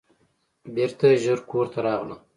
بیرته ژر کور ته راغلم.